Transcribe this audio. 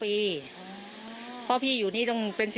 พี่ทีมข่าวของที่รักของ